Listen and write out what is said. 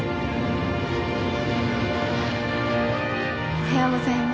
おはようございます。